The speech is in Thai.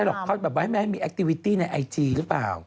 ไม่ใช่หรอกเขาแบบไว้ไหมมีแอคทิวิตี้ในไอจีหรือเปล่า